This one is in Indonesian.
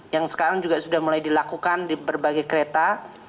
yang sekarang juga sudah mulai dilakukan di berbagai kereta